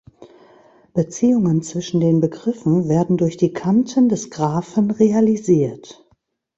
Beziehungen zwischen den Begriffen werden durch die Kanten des Graphen realisiert.